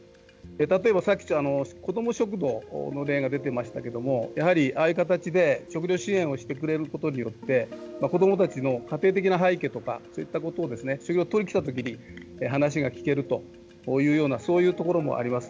例えば、さっき子ども食堂の例が出ていましたけれどもやはり、ああいう形で食料支援をしてくれることによって子どもたちの家庭的な背景とかそういったことを話が聞けるというようなそういうところもあります。